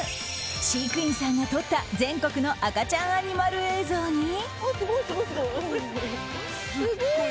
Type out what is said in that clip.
飼育員さんが撮った全国の赤ちゃんアニマル映像に。